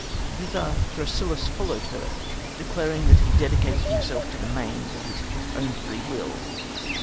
Thither Thrasyllus followed her, declaring that he dedicated himself to the Manes of his own free will.